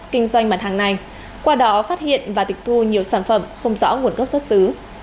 kinh doanh mặt hàng này qua đó phát hiện và tịch thu nhiều sản phẩm không rõ nguồn gốc xuất xứ